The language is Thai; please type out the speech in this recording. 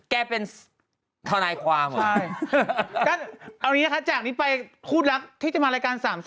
คุณต้องตอบข้าไปตรงคำถาม